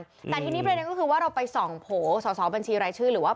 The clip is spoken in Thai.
แต่ทีนี้ประเด็นก็คือว่าเราไปส่องโผล่สอสอบัญชีรายชื่อหรือว่า